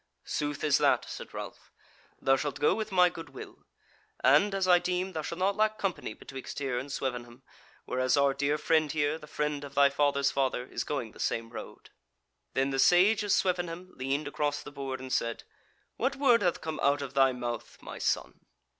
"Sooth is that," said Ralph, "thou shalt go with my good will; and, as I deem, thou shalt not lack company betwixt here and Swevenham, whereas our dear friend here, the friend of thy father's father, is going the same road." Then the Sage of Swevenham leaned across the board, and said: "What word hath come out of thy mouth, my son?"